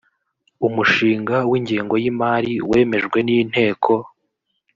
umushinga w’ingengo y’imari wemejwe n’inteko